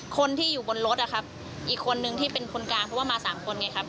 คนที่อยู่บนรถอะครับอีกคนนึงที่เป็นคนกลางเพราะว่ามาสามคนไงครับ